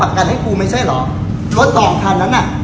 แล้วตอนนี้กันอยู่ไหนตอนนี้กันต้องอยู่ไหน